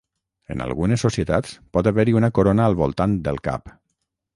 En algunes societats pot haver-hi una corona al voltant del cap.